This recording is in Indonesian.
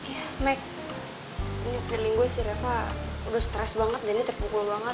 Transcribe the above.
ya mek ini feeling gue sih reva udah stress banget jadi terpukul banget